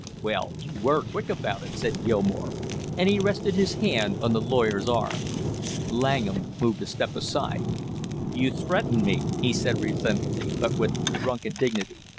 "Well, you were quick about it," said Gilmore, and he rested his hand on the lawyer's arm. Langham moved a step aside. "You threatened me," he said resentfully, but with drunken dignity.